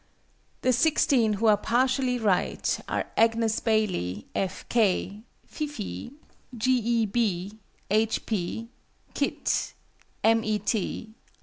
The sixteen, who are partially right, are AGNES BAILEY, F. K., FIFEE, G. E. B., H. P., KIT, M. E. T.